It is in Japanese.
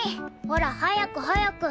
ほら早く早く。